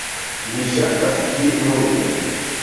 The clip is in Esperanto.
Mi ŝatas ĝin multe!